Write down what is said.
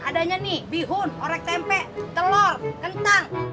adanya nih bihun orek tempe telur kentang